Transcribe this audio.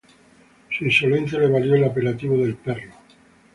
Su insolencia le valió el apelativo de "el perro.